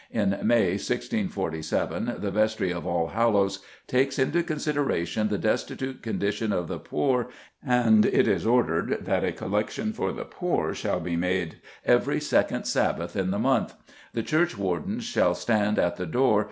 In May, 1647, the Vestry of Allhallows "takes into consideration the destitute condition of the poor, and it is ordered that a collection for the poor shall be made every second Sabbath in the month; the churchwardens shall stand at the door